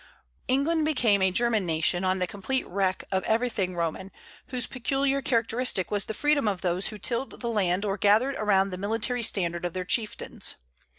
England became a German nation on the complete wreck of everything Roman, whose peculiar characteristic was the freedom of those who tilled the land or gathered around the military standard of their chieftains.